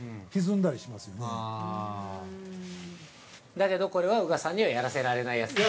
だけど、これは宇賀さんにはやらせられないやつですか？